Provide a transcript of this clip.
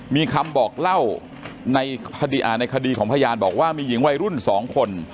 มีคำบอกเล่าในคดีของพยานบอกว่ามีหญิงวัยรุ่น๒คน